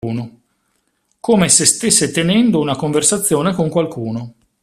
Come se stesse tenendo una conversazione con qualcuno.